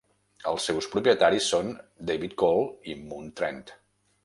Els seus propietaris són David Cole i Moon Trent.